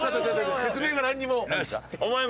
説明がなんにも。